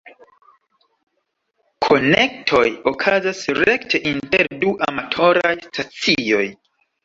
Konektoj okazas rekte inter du amatoraj stacioj.